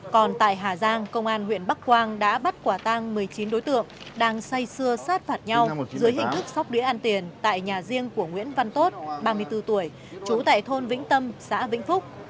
còn tại hà giang công an huyện bắc quang đã bắt quả tang một mươi chín đối tượng đang say xưa sát phạt nhau dưới hình thức sóc đĩa ăn tiền tại nhà riêng của nguyễn văn tốt ba mươi bốn tuổi trú tại thôn vĩnh tâm xã vĩnh phúc